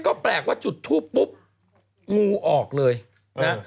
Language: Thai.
ก็แปลกว่าจุดทูปปุ๊บงูออกเลยนะ